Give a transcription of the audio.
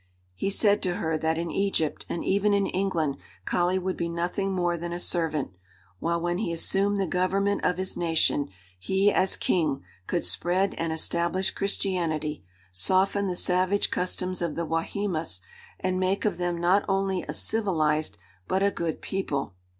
He said to her that in Egypt, and even in England, Kali would be nothing more than a servant, while when he assumed the government of his nation, he, as king, could spread and establish Christianity, soften the savage customs of the Wahimas, and make of them not only a civilized but a good people.